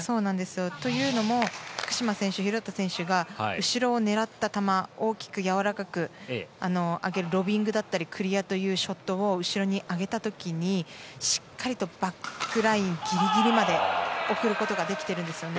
というのも福島選手廣田選手が後ろを狙った球やわらかく上げる、ロビングだったりクリアというショットを後ろに上げた時にしっかりとバックラインギリギリまで送ることができているんですね。